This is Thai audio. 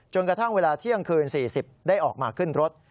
กระทั่งเวลาเที่ยงคืน๔๐ได้ออกมาขึ้นรถ